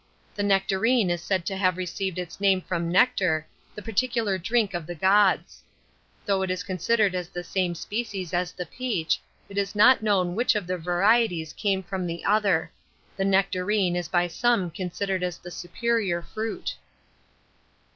The nectarine is said to have received its name from nectar, the particular drink of the gods. Though it is considered as the same species as the peach, it is not known which of the varieties come from the other; the nectarine, is by some considered as the superior fruit.